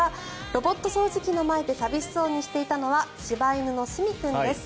ロボット掃除機の前で寂しそうにしていたのは柴犬の澄君です。